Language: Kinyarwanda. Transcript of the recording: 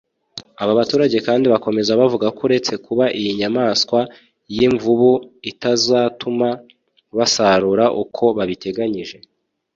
Aba baturage kandi bakomeza bavuga ko uretse kuba iyi nyamaswa y’Imvubu itazatuma basarura uko babiteganyije